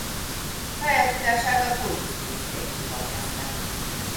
Pályafutását a kultuszminisztériumban kezdte.